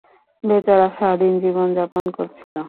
বেচারা স্বাধীন জীবন যাপন করছিল।